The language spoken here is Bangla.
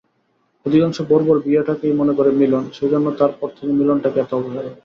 অধিকাংশ বর্বর বিয়েটাকেই মনে করে মিলন, সেইজন্যে তার পর থেকে মিলনটাকে এত অবহেলা।